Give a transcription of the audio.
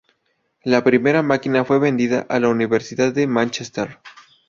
La primera máquina fue vendida a la Universidad de Mánchester.